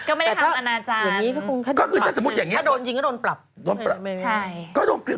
ก็ไม่ได้ทำอาณาจารย์ถ้าสมมุติอย่างนี้ถ้าโดนจริงก็โดนปรับ